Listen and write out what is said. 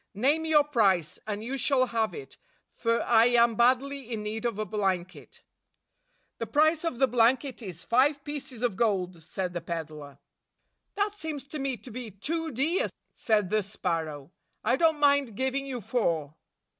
Name your price, and you shall have it; for I am badly in need of a blanket." "The price of the blanket is five pieces of gold," said the peddler. "That seems to me to be too dear," said the sparrow. "I don't mind giving you four."